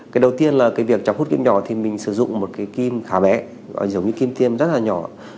cái đầu tiên là cái việc chọc hút kim nhỏ thì mình sử dụng một cái kim khá bé giống như kim tiêm rất là nhỏ